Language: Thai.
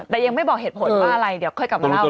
แต่ยังไม่บอกเหตุผลว่าอะไรเดี๋ยวค่อยกลับมาเล่า